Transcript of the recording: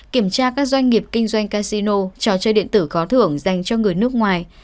kiểm tra các doanh nghiệp kinh doanh casino trò chơi điện tử có thưởng dành cho người nước ngoài